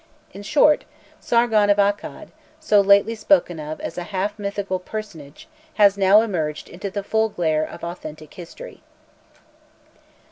In short, Sargon of Akkad, so lately spoken of as "a half mythical" personage, has now emerged into the full glare of authentic history.